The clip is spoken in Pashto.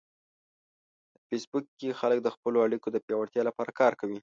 په فېسبوک کې خلک د خپلو اړیکو د پیاوړتیا لپاره کار کوي